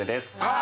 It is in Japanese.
あ！